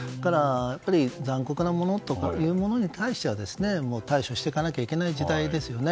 残酷なものというものに対しては対処していかなくてはいけない時代ですよね。